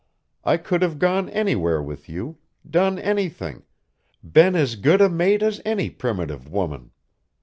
I could have gone anywhere with you done anything been as good a mate as any primitive woman.